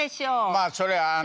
まあそれはあの。